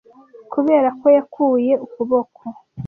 kubera ko yakuye ukuboko